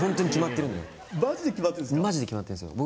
僕マジで決まってるんですか？